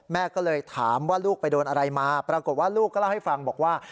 แม่ก็เลยถามว่าลูกไปโดนอะไรมาปรากฏว่าลูกก็เล่าให้ฟังบอกว่า